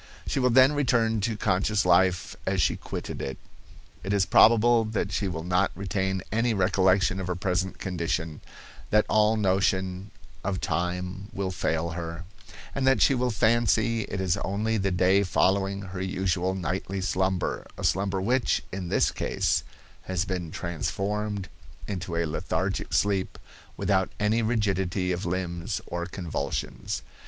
She will then return to conscious life as she quitted it. It is probable that she will not retain any recollection of her present condition, that all notion of time will fail her, and that she will fancy it is only the day following her usual nightly slumber, a slumber which, in this case, has been transformed into a lethargic sleep, without any rigidity of limbs or convulsions.